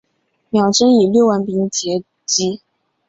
茂贞以六万兵马截击。